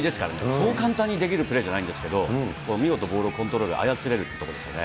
そう簡単にできるプレーじゃないんですけど、見事ボールをコントロール、操れるっていうところですよね。